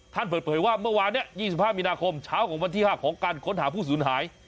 เปิดเผยว่าเมื่อวานนี้๒๕มีนาคมเช้าของวันที่๕ของการค้นหาผู้สูญหาย